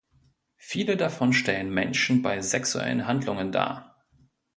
Viele davon stellen Menschen bei sexuellen Handlungen dar.